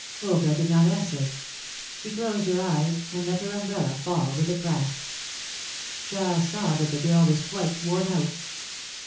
Olga did not answer. She closed her eyes and let her umbrella fall with a crash. Giles saw that the girl was quite worn out.